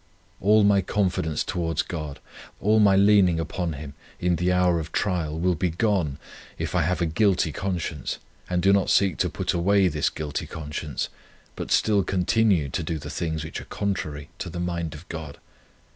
All my confidence towards God, all my leaning upon Him in the hour of trial will be gone, if I have a guilty conscience, and do not seek to put away this guilty conscience, but still continue to do the things which are contrary to the mind of God.